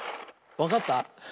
わかった？